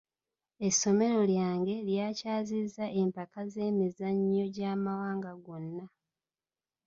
Essomero lyange lyakyazizza empaka z'emizannyo gy'amawanga gonna.